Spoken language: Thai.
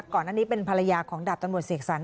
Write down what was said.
ก่อนอันนี้เป็นภรรยาของดาบตำรวจเสกสรร